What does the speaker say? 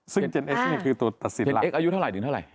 ซึ่งเจนเอ็กซ์เนี้ยคือตัวตัดสินรักเจนเอ็กซ์อายุเท่าไหร่ถึงเท่าไหร่